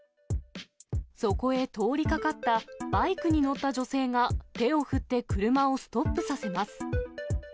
そこへ通りかかったバイクに乗った女性が手を振って、車をストップさせます。